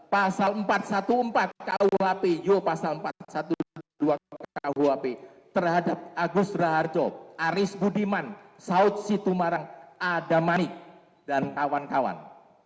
pasal empat ratus empat belas kuhp yo pasal empat ratus dua belas kuhp terhadap agus raharjo aris budiman saud situmarang ada manik dan kawan kawan